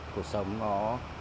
cuộc sống nó